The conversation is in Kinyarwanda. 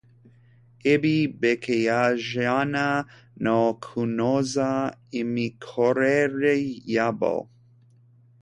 ibi bikajyana no kunoza imikorere yabo